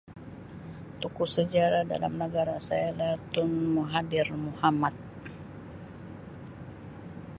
Tokoh sejarah dalam negara saya ialah Tun Mahathir Muhammad.